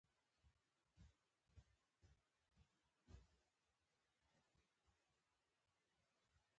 سوالګر ته نرم نظر هم غنیمت دی